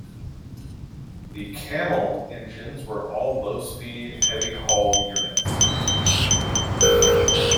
The "Camel" engines were all low-speed, heavy haul units.